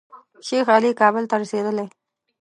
شیخ علي کابل ته رسېدلی.